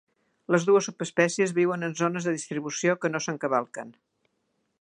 Les dues subespècies viuen en zones de distribució que no s'encavalquen.